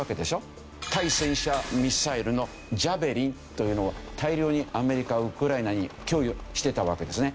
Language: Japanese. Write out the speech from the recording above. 対戦車ミサイルのジャベリンというのを大量にアメリカはウクライナに供与してたわけですね。